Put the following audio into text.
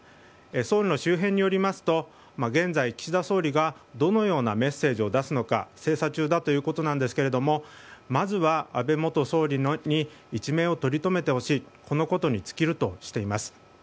総理の周辺によりますと現在、岸田総理がどのようなメッセージを出すのか精査中だということですがまずは安倍元総理に一命をとりとめてほしいこのことに尽きるとしています。